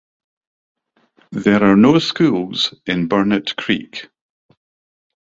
There are no schools in Burnett Creek.